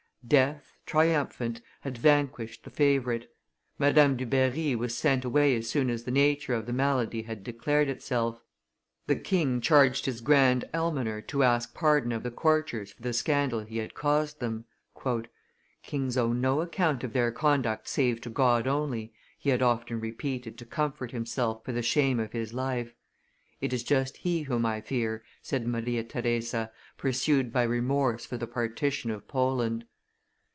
Death, triumphant, had vanquished the favorite. Madame Dubarry was sent away as soon as the nature of the malady had declared itself. The king charged his grand almoner to ask pardon of the courtiers for the scandal he had caused them. "Kings owe no account of their conduct save to God only," he had often repeated to comfort himself for the shame of his life. "It is just He whom I fear," said Maria Theresa, pursued by remorse for the partition of Poland.